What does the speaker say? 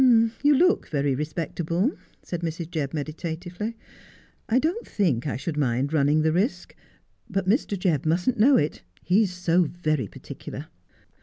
' You look very respectable,' said Mrs. Jebb meditatively. ' I don't think I should mind running the risk. But Mr. Jebb mustn't know it. He's so very particular.'